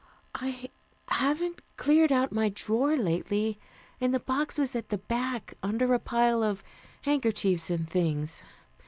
"I haven't cleared out my drawer lately, and the box was at the back, under a pile of handkerchiefs and things.